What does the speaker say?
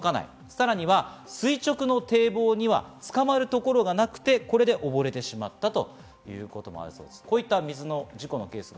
さらに垂直の堤防にはつかまるところがなくておぼれてしまったということもあるそうです。